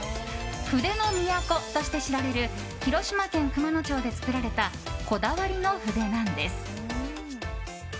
筆の都として知られる広島県熊野町で作られたこだわりの筆なんです。